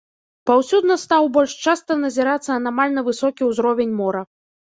Паўсюдна стаў больш часта назірацца анамальна высокі ўзровень мора.